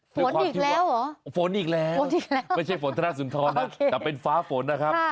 ฝนอีกแล้วเหรอฝนอีกแล้วไม่ใช่ฝนทนาสุนทรนะแต่เป็นฟ้าฝนนะครับ